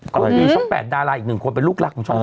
ก็อีกช่อง๘ดาราอีกหนึ่งคนย์เป็นลูกรักของช่อง๓